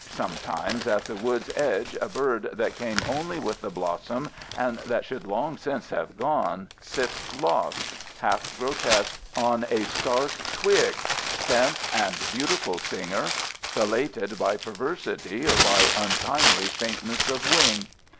Sometimes at the wood's edge a bird that came only with the blossoms and that should long since have gone sits lost, half grotesque, on a stark twig—spent and beautiful singer, belated by perversity or by untimely faintness of wing!